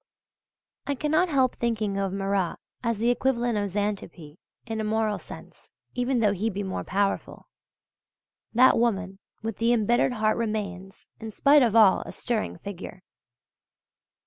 I cannot help thinking of Marat as the equivalent of Xanthippe in a moral sense (even though he be more powerful). That woman with the embittered heart remains, in spite of all, a stirring figure.